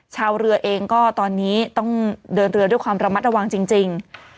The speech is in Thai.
ชาวเรือเองก็ตอนนี้ต้องเดินเรือด้วยความระมัดระวังจริง